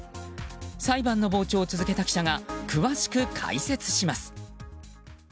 裁判の傍聴を続けた記者が詳しく解説します。